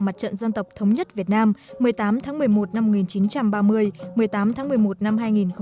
mặt trận dân tộc thống nhất việt nam một mươi tám tháng một mươi một năm một nghìn chín trăm ba mươi một mươi tám tháng một mươi một năm hai nghìn hai mươi